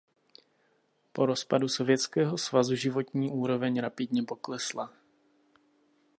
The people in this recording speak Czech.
Po rozpadu Sovětského svazu životní úroveň rapidně poklesla.